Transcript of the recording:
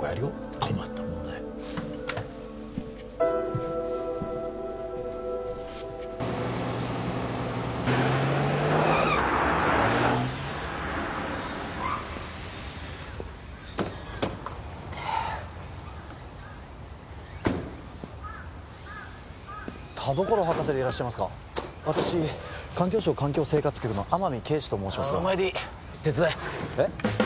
困ったもんだよ田所博士でいらっしゃいますか私環境省・環境生活局の天海啓示と申しますがお前でいい手伝ええっ？